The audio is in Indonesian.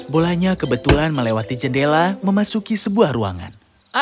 bolanya kebetulan melewati jendela memasuki sebuah ruangan